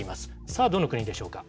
さあ、どの国でしょうか。